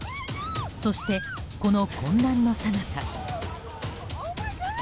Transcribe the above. そして、この混乱のさなか。